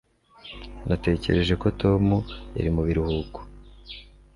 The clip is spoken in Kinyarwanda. Natekereje ko Tom yari mu biruhuko